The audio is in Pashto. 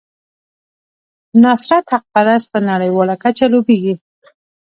نصرت حقپرست په نړیواله کچه لوبیږي.